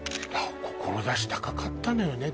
志高かったのよね